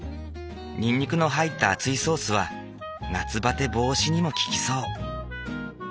にんにくの入った熱いソースは夏バテ防止にも効きそう。